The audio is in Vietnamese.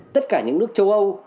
tất cả những nước châu âu